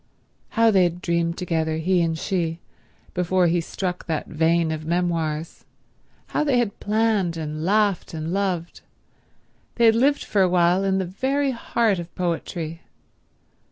How they had dreamed together, he and she, before he struck that vein of memoirs; how they had planned, and laughed and loved. They had lived for a while in the very heart of poetry.